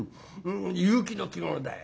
結城の着物だい。